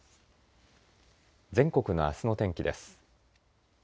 全国あすの天気です。